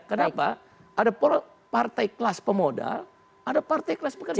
kenapa ada partai kelas pemodal ada partai kelas pekerja